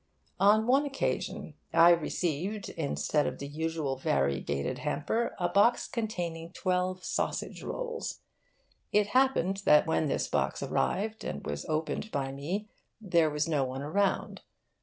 On one occasion I received, instead of the usual variegated hamper, a box containing twelve sausage rolls. It happened that when this box arrived and was opened by me there was no one around.